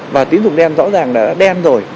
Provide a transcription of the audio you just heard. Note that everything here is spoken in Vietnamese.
và tiến dụng đen rõ ràng là đen rồi